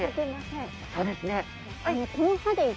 そうですね。